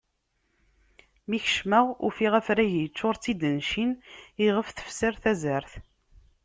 Mi kecmeɣ ufiɣ afrag yeččur d tidencin iɣef tefser tazart.